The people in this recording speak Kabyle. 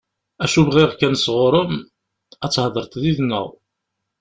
Acu bɣiɣ kan sɣur-m, ad thedreḍ yid-neɣ.